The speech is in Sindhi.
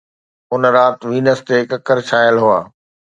اُن رات، وينس تي ڪڪر ڇانيل هئا